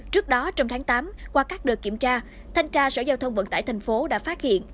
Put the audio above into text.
trước đó trong tháng tám qua các đợt kiểm tra thanh tra sở giao thông vận tải thành phố đã phát hiện